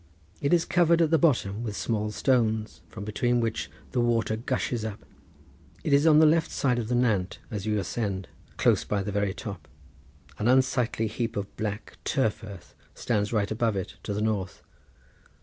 It is covered at the bottom with small stones, from between which the water gushes up. It is on the left hand side of the nant, as you ascend, close by the very top. An unsightly heap of black turf earth stands just above it to the north.